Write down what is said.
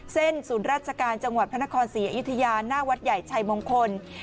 ศูนย์ราชการจังหวัดพระนครศรีอยุธยาหน้าวัดใหญ่ชัยมงคล